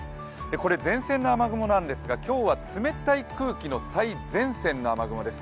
これ前線の雨雲なんですが、今日は冷たい空気の最前線の雨雲です。